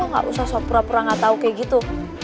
lo gak usah sopra pura gak tau kayak gitu